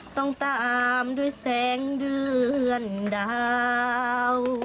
ต้องตามด้วยแสงเดือนดาว